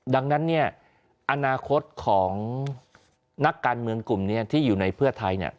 ดังนั้นเนี่ยอนาคตของนักการเมืองกลุ่มนี้ที่อยู่ในเพื่อไทย